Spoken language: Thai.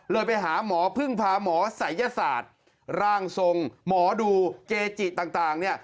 ไปหาหมอพึ่งพาหมอศัยยศาสตร์ร่างทรงหมอดูเกจิต่างเนี่ย